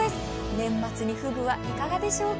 年末にふぐはいかがでしょうか。